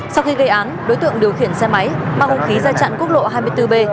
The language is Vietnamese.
sau khi gây án đối tượng điều khiển xe máy mang hùng khí ra chặn quốc lộ hai mươi bốn b